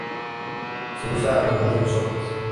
Se usa a menudo en sopas.